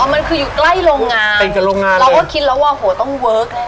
มันคืออยู่ใกล้โรงงานเราก็คิดแล้วว่าโหต้องเวิร์ค